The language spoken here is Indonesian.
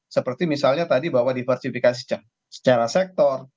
seperti misalnya tadi bahwa diversifikasi secara sektor